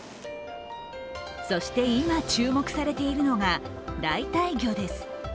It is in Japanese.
そして、今、注目されているのが代替魚です。